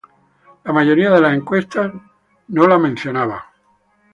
La mayoría de las encuestas no la mencionaba.